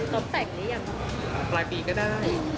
จบแต่งหรือยัง